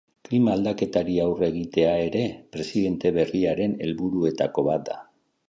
Klima aldaketari aurre egitea ere presidente berriaren helburuetako bat da.